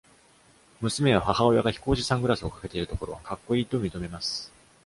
娘は、母親が飛行士サングラスをかけているところはかっこいいと認めます。